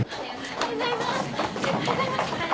おはようございます。